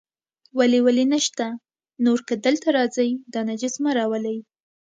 ولې ولې نشته، نور که دلته راځئ، دا نجس مه راولئ.